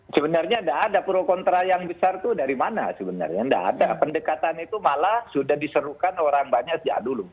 sebenarnya tidak ada pro kontra yang besar itu dari mana sebenarnya tidak ada pendekatan itu malah sudah diserukan orang banyak sejak dulu